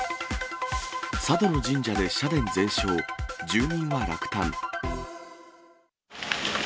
佐渡の神社で社殿全焼、住民は落胆。